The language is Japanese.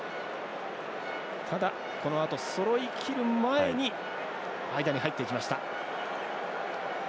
ただ、このあとそろいきる前に間に入っていきました。